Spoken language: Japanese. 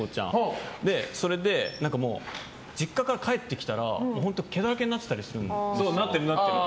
それで実家から帰ってきたら毛だらけになってたりするんです。